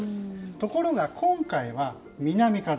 ところが、今回は南風。